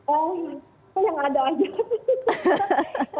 oh yang ada aja